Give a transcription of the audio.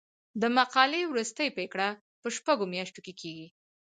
د مقالې وروستۍ پریکړه په شپږو میاشتو کې کیږي.